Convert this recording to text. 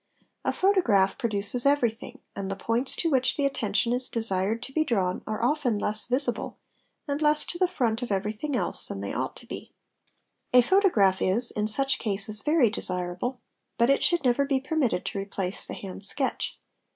A photograph produces every : thing and the points to which the attention is desired to be drawn are _ often less visible and less to the front of everything else than they ought _to be. A photograph is, in such cases, very desirable, but it should never | be permitted to replace the hand sketch.